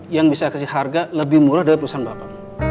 yang bisa kasih harga lebih murah dari perusahaan bapak